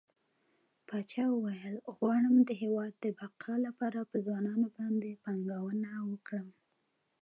پاچا وويل غواړم د هيواد د بقا لپاره په ځوانانو باندې پانګونه وکړه.